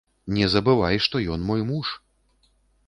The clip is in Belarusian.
Не забывай, што ён мой муж.